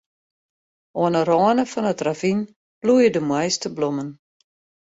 Oan 'e râne fan it ravyn bloeie de moaiste blommen.